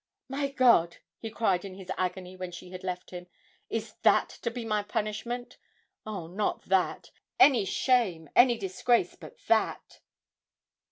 'My God!' he cried in his agony when she had left him, 'is that to be my punishment? Oh, not that any shame, any disgrace but that!'